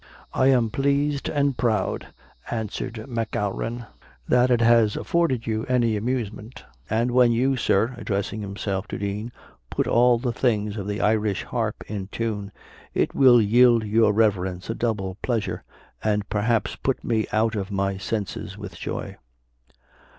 '" "I am pleased and proud," answered Macgowran, "that it has afforded you any amusement: and when you, Sir," addressing himself to the Dean, "put all the strings of the Irish harp in tune, it will yield your Reverence a double pleasure, and perhaps put me out of my senses with joy."